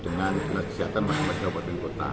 dengan penelitian kesehatan masyarakat di kota